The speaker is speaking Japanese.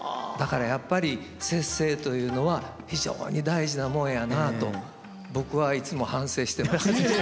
だからやっぱり節制というのは非常に大事なもんやなと僕はいつも反省してます。